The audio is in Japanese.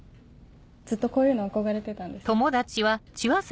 ずっとこういうの憧れてたんです。